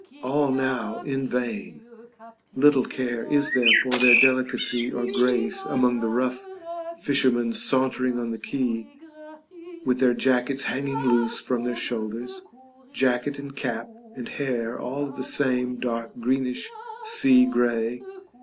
All now in vain: little care is there for their delicacy or grace among the rough fishermen sauntering on the quay with their jackets hanging loose from their shoulders, jacket and cap and hair all of the same dark greenish sea grey.